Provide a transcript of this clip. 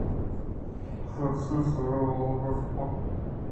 چریشی ءَ شیر ءَ واب ءَ بُست کُت